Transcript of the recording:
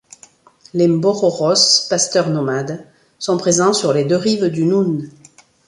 Les Mbororos, pasteurs nomades, sont présents sur les deux rives du Noun.